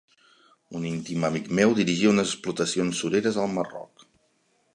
Un íntim amic meu dirigia unes explotacions sureres al Marroc.